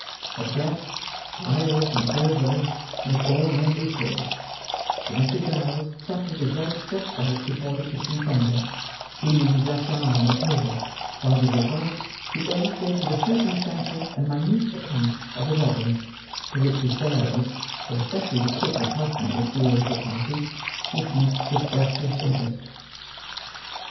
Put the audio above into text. But, death, fires, and burglary, make all men equals; so Mr. Giles sat with his legs stretched out before the kitchen fender, leaning his left arm on the table, while, with his right, he illustrated a circumstantial and minute account of the robbery, to which his bearers (but especially the cook and housemaid, who were of the party) listened with breathless interest.